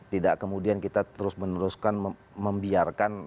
tidak kemudian kita terus meneruskan membiarkan